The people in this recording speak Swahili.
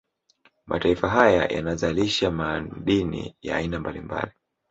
Mataifa haya yanazalisha madini ya aina mbalimbali